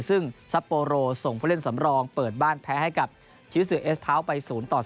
ซึ่งซัปโปโรส่งผู้เล่นสำรองเปิดบ้านแพ้ให้กับชีวิตสื่อเอสเท้าไป๐ต่อ๒